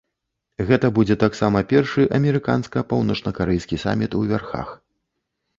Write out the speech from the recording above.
Гэта будзе таксама першы амерыканска-паўночнакарэйскі саміт у вярхах.